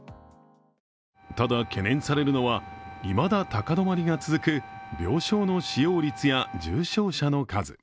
ただ、懸念されるのはいまだ高止まりが続く病床の使用率や重症者の数。